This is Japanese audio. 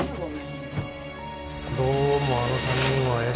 どうもあの３人は怪しい。